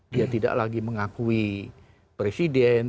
dia tidak lagi mengakui presiden